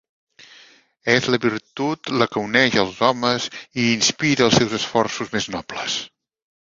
És la virtut la que uneix els homes i inspira els seus esforços més nobles.